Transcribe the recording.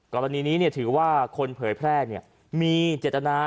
กรณีนี้ถือว่าคนเผยแพร่มีเจตนา